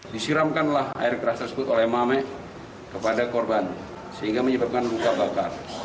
disiramkanlah air keras tersebut oleh mame kepada korban sehingga menyebabkan buka balik